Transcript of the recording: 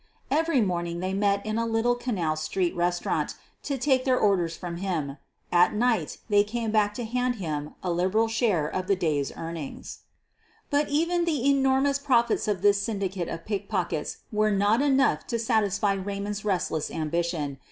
Every morning they met in a little Canal Street restaurant to take their orders from him — at night they came back *o hand him a liberal share of the day's earnings. But even the enormous profits of this syndicate of pickpockets were not enough to satisfy Ray mond's restless ambition.